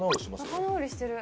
仲直りしてる。